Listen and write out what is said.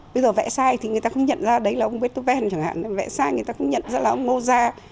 bây giờ vẽ sai thì người ta không nhận ra đấy là ông beethoven chẳng hạn vẽ sai người ta không nhận ra là ông mozart